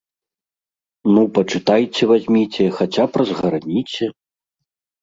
Ну, пачытайце вазьміце, хаця б разгарніце!